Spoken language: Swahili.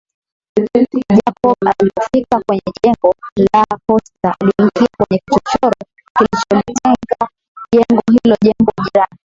Jacob alipofika kwenye jengo la posta aliingia kwenye kichochoro kilicholitenga jengo hlo jengo jirani